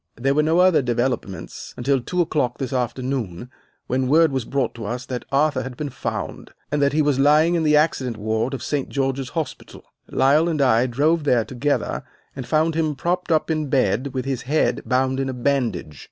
"There were no other developments until two o'clock this afternoon, when word was brought to us that Arthur had been found, and that he was lying in the accident ward of St. George's Hospital. Lyle and I drove there together, and found him propped up in bed with his head bound in a bandage.